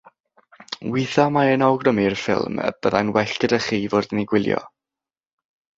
Weithiau mae e'n awgrymu'r ffilm y byddai'n well gyda chi fod yn ei gwylio.